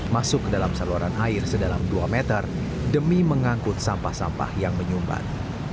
masuk ke dalam saluran air sedalam dua meter demi mengangkut sampah sampah yang menyumbat